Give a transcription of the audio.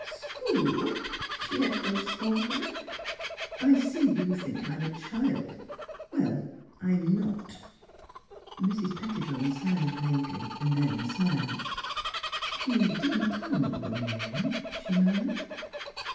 " School! " she echoed, scornfully. " I see you think I am a child. Well, I'm not." Mrs. Pettibone sighed vaguely; then smiled. ''You didn't — tell me your name," she mur mured.